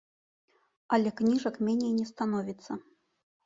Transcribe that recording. Але кніжак меней не становіцца.